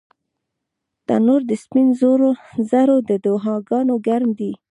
تنور د سپین زرو د دعاګانو ګرم دی